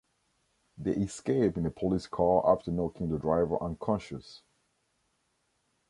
They escape in a police car after knocking the driver unconscious.